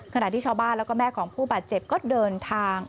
ขณะที่ชาวบ้านแล้วก็แม่ของผู้บาดเจ็บก็เดินทาง